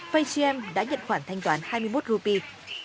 facegm đã nhận khoản thanh toán hai mươi một rupee